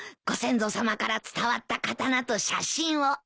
ご先祖さまから伝わった刀と写真を。